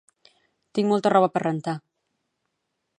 Tinc molta roba per rentar